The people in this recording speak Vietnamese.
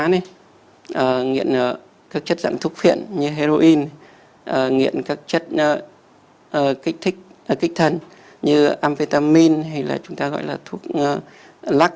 nghiện các chất dạng thuốc phiện như heroin nghiện các chất kích thần như amphetamine hay là chúng ta gọi là thuốc lắc